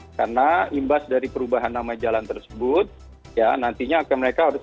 tapi jika mereka yang memiliki perubahan nama jalan tersebut ya nantinya akan mereka harus